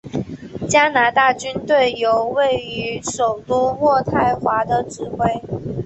加拿大军队由位于首都渥太华的指挥。